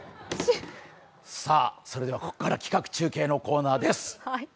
さあ、それではここから企画中継のコーナーです。